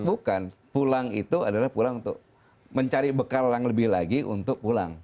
bukan pulang itu adalah pulang untuk mencari bekal yang lebih lagi untuk pulang